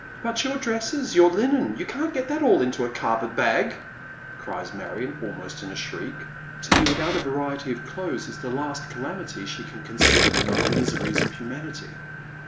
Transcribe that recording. " But your dresses, your linen, you can't get them all into that carpet bag," cries Marion, almost in a shriek. To be without a variety of clothes is the last calamity she can conceive among the miseries of humanity.